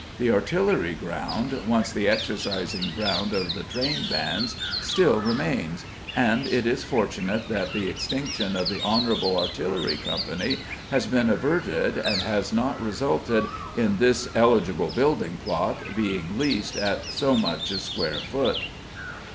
The Artillery ground, once the exercising ground of the train bands, still remains, and it is fortunate that the extinction of the Honourable Artillery Company has been averted and has not resulted in this "eligible building plot" being leased at so much a square foot.